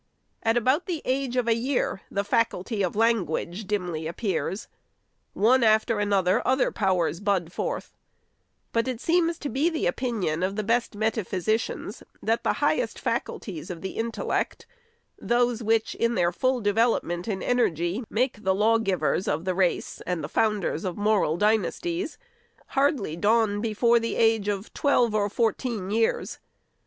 At about the age of a year, the faculty of language dimly appears. One after another, other powers bud forth ; but it seems to be the opinion of the best metaphysicians, that the highest facul ties of the intellect — those which, in their full develop ment and energy, make the lawgivers of the race, and 5 J6 THE SECRETARY'S the founders of moral dynasties — hardly dawn before the age of twelve or fourteen years.